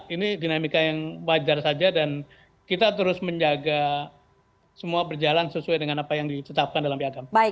ini dinamika yang wajar saja dan kita terus menjaga semua berjalan sesuai dengan apa yang ditetapkan dalam piagam